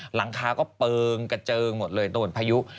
หลังคาก็เปิงกระเจิงหมดเลยโดนพายุ